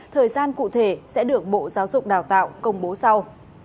thời gian cụ thể sẽ được bộ giáo dục đào tạo công bố sau